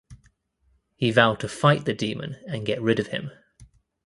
He vowed to fight the demon and get rid of him.